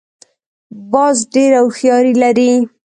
باز ډېره هوښیاري لري